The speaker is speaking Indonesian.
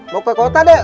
mau ke kota dek